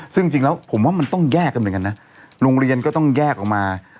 ซึ่งจริงแล้วผมว่ามันต้องแยกกันเหมือนกันนะโรงเรียนก็ต้องแยกออกมา